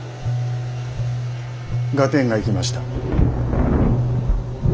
合点がいきました。